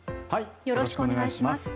よろしくお願いします。